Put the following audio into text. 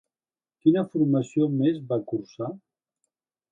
Quina formació més va cursar?